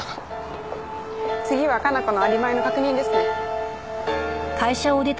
次は香奈子のアリバイの確認ですね。